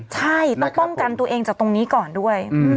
ใช่ต้องป้องกันตัวเองจากตรงนี้ก่อนด้วย